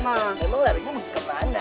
emang larinya ke mana